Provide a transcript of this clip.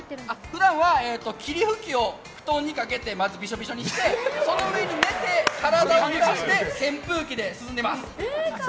普段は霧吹きを布団にかけてまず、びしょびしょにしてその上に寝て体をぬらして扇風機で涼んでます。